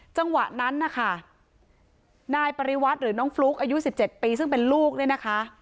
จังหวะนั้นนะคะนายปริวัติหรือน้องฟลุ๊กอายุ๑๗ปีซึ่งเป็นลูกเนี่ยนะคะ